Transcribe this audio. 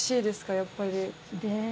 やっぱり。